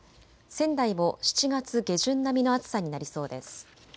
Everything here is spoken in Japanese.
仙台も７月下旬並みの暑さになりそうです。